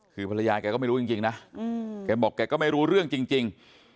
คือภรรยาแกก็ไม่รู้จริงนะแกบอกแกก็ไม่รู้เรื่องจริง